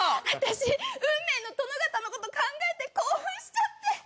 私運命の殿方のこと考えて興奮しちゃって。